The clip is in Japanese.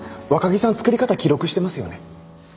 若木さん作り方記録してますよね？